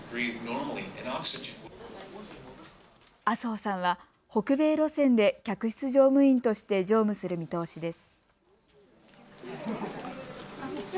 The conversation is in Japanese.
麻生さんは北米路線で客室乗務員として乗務する見通しです。